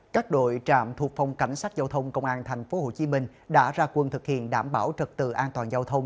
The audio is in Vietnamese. các đội trạm thuộc phòng cảnh sát giao thông công an tp hcm đã ra quân thực hiện đảm bảo trật tự an toàn giao thông